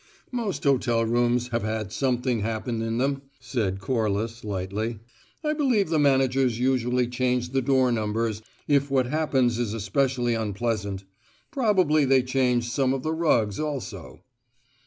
"Most hotel rooms have had something happen in them," said Corliss lightly. "I believe the managers usually change the door numbers if what happens is especially unpleasant. Probably they change some of the rugs, also."